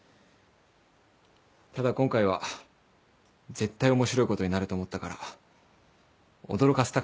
ただ今回は絶対面白いことになると思ったから驚かせたかったんだ。